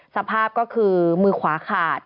สภาพก็คือมือขวาขาด